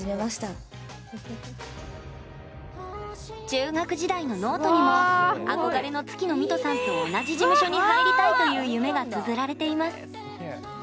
中学時代のノートにも憧れの月ノ美兎さんと同じ事務所に入りたいという夢がつづられています。